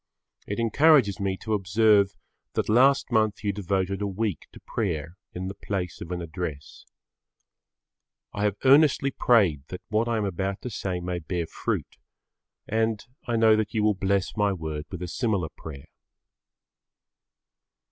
It encourages me to observe that last month you devoted a week to prayer in the place of an address. I have earnestly prayed that what I am about to say may bear fruit and I know that you will bless my word with a similar prayer.